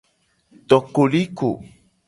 To koliko.